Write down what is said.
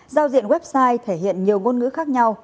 giao diện website thể hiện nhiều ngôn ngữ khác nhau